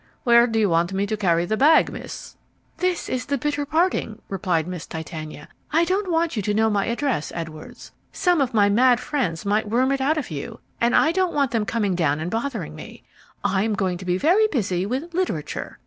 "Where do you want me to carry the bag, miss?" "This is the bitter parting," replied Miss Titania. "I don't want you to know my address, Edwards. Some of my mad friends might worm it out of you, and I don't want them coming down and bothering me. I am going to be very busy with literature.